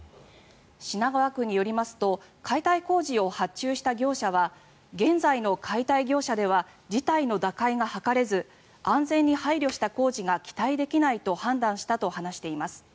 品川区によりますと解体工事を発注した業者は現在の解体業者では事態の打開が図れず安全に配慮した工事が期待できないと判断したと話しています。